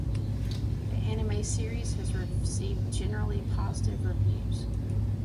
The anime series has received generally positive reviews.